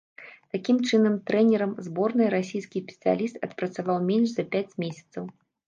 Такім чынам, трэнерам зборнай расійскі спецыяліст адпрацаваў менш за пяць месяцаў.